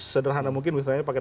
sederhana mungkin misalnya pakai